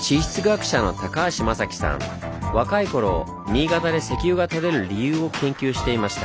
若い頃新潟で石油が採れる理由を研究していました。